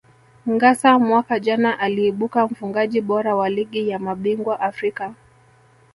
Ngassa mwaka jana aliibuka mfungaji bora wa Ligi ya mabingwa Afrika